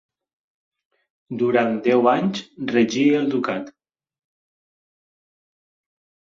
Durant deu anys regí el ducat.